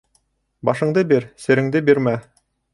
Башыңды бир, сереңде бирмә.